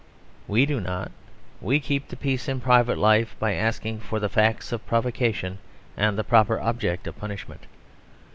We do not. We keep the peace in private life by asking for the facts of provocation, and the proper object of punishment.